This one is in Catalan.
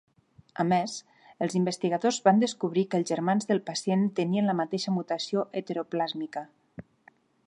A més, els investigadors van descobrir que els germans del pacient tenien la mateixa mutació heteroplàsmica.